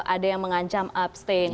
ada yang mengancam abstain